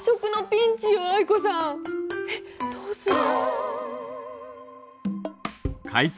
えっどうする？